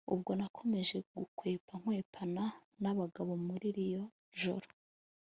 ubwo nakomeje gukwepa kwepana nabagabo muriryo joro